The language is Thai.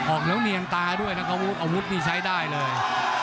ออกแล้วเนียนตาด้วยนะอาวุธอาวุธนี่ใช้ได้เลย